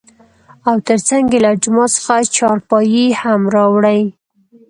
او تر څنګ يې له جومات څخه چارپايي هم راوړى .